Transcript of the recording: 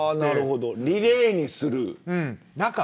リレーにする。